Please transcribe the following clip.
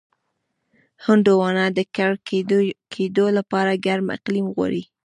هندوانه د کر کېدو لپاره ګرم اقلیم غواړي.